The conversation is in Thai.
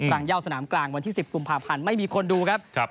รางย่าสนามกลางวันที่๑๐กุมภาพันธ์ไม่มีคนดูครับ